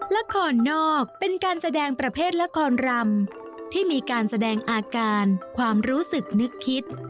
ละครนอกเป็นการแสดงประเภทละครรำที่มีการแสดงอาการความรู้สึกนึกคิด